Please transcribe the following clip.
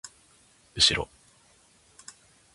うしろ